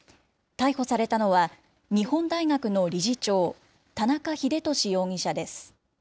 逮捕されたのは、日本大学の理事長、田中英壽容疑者です。